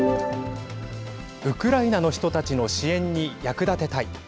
ウクライナの人たちの支援に役立てたい。